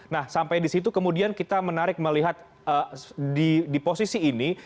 nah sampai di situ kemudian kita menarik melihat di posisi ini